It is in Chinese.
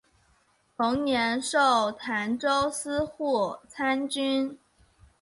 同年授澶州司户参军。